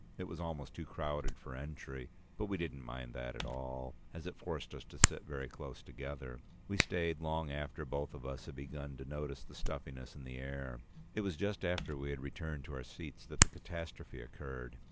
It was almost too crowded for entry, but we didn't mind that at all, as it forced us to sit very close together. We stayed long after both of us had begun to notice the stuffiness of the air. It was just after we had returned to our seats that the catastrophe occurred.